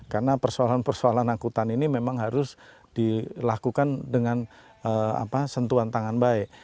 karena persoalan persoalan angkutan ini memang harus dilakukan dengan sentuhan tangan baik